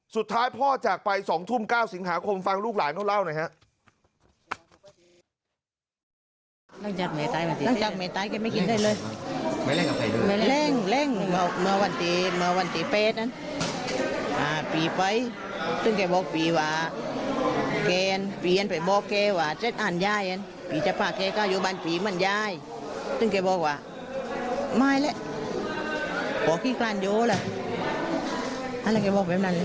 สุดท้ายพ่อจากไป๒ทุ่ม๙สิงหาคมฟังลูกหลานเขาเล่าหน่อยฮะ